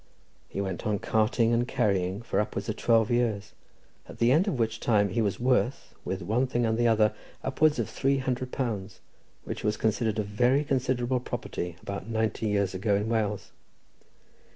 He went on carting and carrying for upwards of twelve years, at the end of which time he was worth, with one thing and the other, upwards of three hundred pounds, which was considered a very considerable property about ninety years ago in Wales.